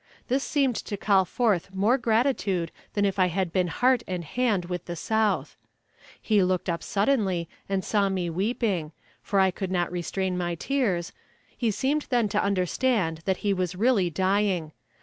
This seemed to call forth more gratitude than if I had been heart and hand with the South. He looked up suddenly and saw me weeping for I could not restrain my tears he seemed then to understand that he was really dying.